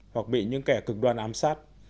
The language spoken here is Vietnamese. hoặc bị những kẻ cực đoan ám sát